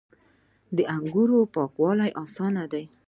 د انګورو پاکول اسانه دي.